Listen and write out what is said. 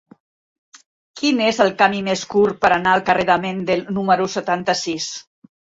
Quin és el camí més curt per anar al carrer de Mendel número setanta-sis?